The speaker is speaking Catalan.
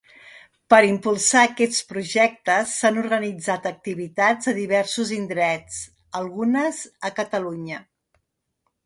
Per impulsar aquests projectes s'han organitzat activitats a diversos indrets, algunes a Catalunya.